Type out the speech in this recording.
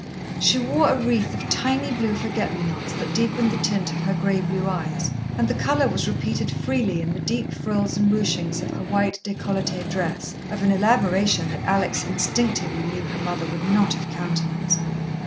She wore a wreath of tiny blue forget me nots that deepened the tint of her grey blue eyes, and the colour was repeated freely in the deep frills and ruchings of her white, décolletée dress, of an elaboration that Alex instinctively knew her mother would not have countenanced.